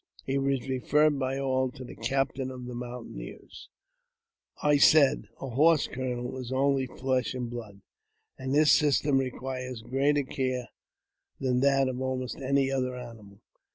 He was referred by all to the captain of the mountaineers. I said, " x\ horse, colonel, is only flesh and blood, and his system requires greater care than that of almost any other animal.